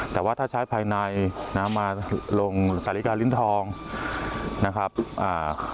แต่ว่าถ้าใช้ภายในนะมาลงสาธิกาลิ้นทองนะครับอ่า